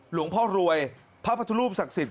หลวงพ่อรวยพระพุทธรูปศักดิ์สิทธิ